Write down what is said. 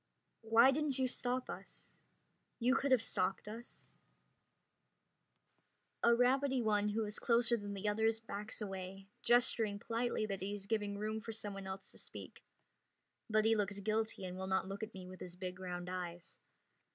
"Why didn't you stop us? You could have stopped us." A rabbity one who is closer than the others backs away, gesturing politely that he is giving room for someone else to speak, but he looks guilty and will not look at me with his big round eyes.